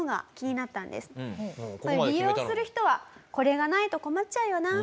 利用する人はこれがないと困っちゃうよな。